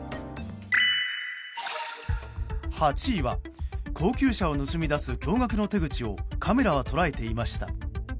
８位は、高級車を盗み出す驚愕の手口をカメラは捉えていました。